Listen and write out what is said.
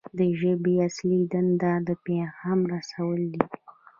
د ژبې اصلي دنده د پیغام رسول دي.